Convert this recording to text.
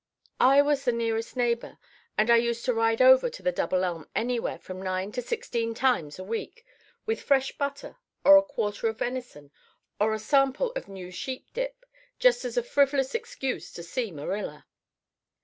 I was the nearest neighbour, and I used to ride over to the Double Elm anywhere from nine to sixteen times a week with fresh butter or a quarter of venison or a sample of new sheep dip just as a frivolous excuse to see Marilla.